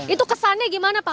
itu kesannya gimana pak